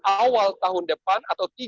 awal tahun depan atau